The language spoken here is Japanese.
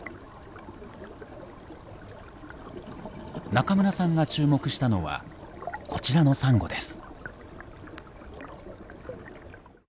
中村さんが注目したのはこちらのサンゴです。